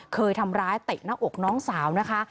เคยทำร้ายเตะหน้าอกน้องสาวนะคะ